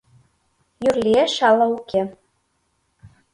Йӱр лиеш ала уке